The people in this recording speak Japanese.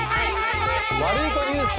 ワルイコニュース様。